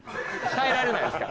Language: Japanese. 耐えられないです。